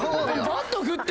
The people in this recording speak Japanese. バット振ってるの？